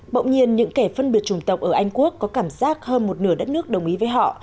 bỗng nhiên những kẻ phân biệt chủng tộc ở anh quốc có cảm giác hơn một nửa đất nước đồng ý với họ